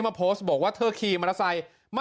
อ่ะสวัสดีครับ